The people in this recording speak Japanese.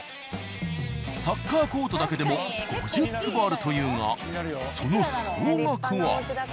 サッカーコートだけでも５０坪あるというがその総額は。